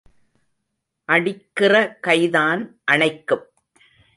அடிக்கிற கைதான் அணைக்கும்.